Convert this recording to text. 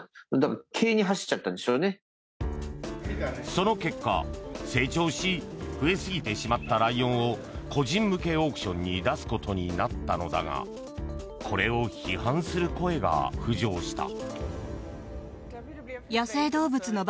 その結果、成長し増えすぎてしまったライオンを個人向けオークションに出すことになったのだがこれを批判する声が浮上した。